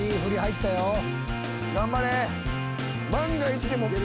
頑張れ。